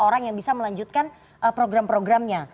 orang yang bisa melanjutkan program programnya